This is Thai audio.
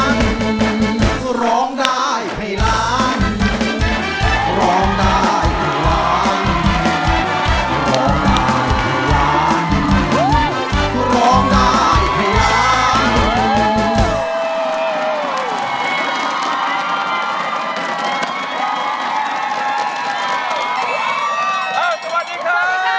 สวัสดีค่ะ